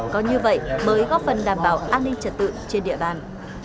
có như vậy mới góp phần đảm bảo an ninh trật tự trên địa bàn